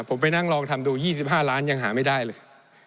ผมไปนั่งลองทำดู๒๕ล้านยังหาไม่ได้เลย